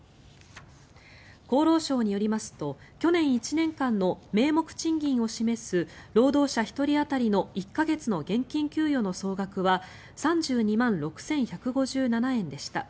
厚労省によりますと去年１年間の名目賃金を示す労働者１人当たりの１か月の現金給与の総額は３２万６１５７円でした。